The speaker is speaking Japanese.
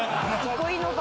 憩いの場。